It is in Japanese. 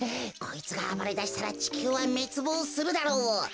こいつがあばれだしたらちきゅうはめつぼうするだろう。